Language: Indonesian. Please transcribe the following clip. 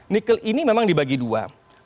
nikel ini memang dibagi dua